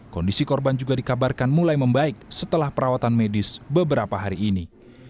kondisi korban juga dikabarkan mulai membaik setelah perawatan medis beberapa hari ini